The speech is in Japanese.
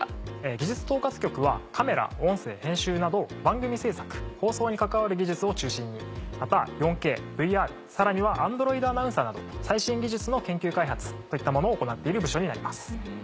技術統括局はカメラ音声編集など番組制作放送に関わる技術を中心にまた４ＫＶＲさらにはアンドロイドアナウンサーなど最新技術の研究開発といったものを行っている部署になります。